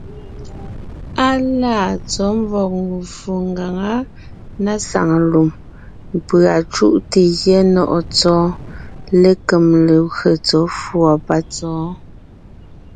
Á laa tsɔ̌ mvɔ̀g mvfò ngaŋá na saŋ lùm, pʉ̀a cúʼte gyɛ́ nɔ̀ʼɔ Tsɔ́ɔn lékem legwé tsɔ̌ fʉ̀ɔ patsɔ́ɔn.